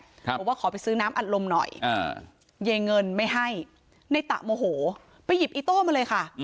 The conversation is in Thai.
บอกว่าขอไปซื้อน้ำอัดลมหน่อยยายเงินไม่ให้ในตะโมโหไปหยิบอีโต้มาเลยค่ะ